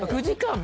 ９時間。